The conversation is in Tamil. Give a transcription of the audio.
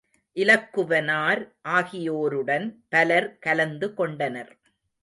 இலக்குவனார் ஆகியோருடன் பலர் கலந்து கொண்டனர்.